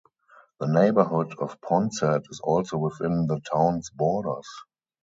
The neighborhood of Ponset is also within the town's borders.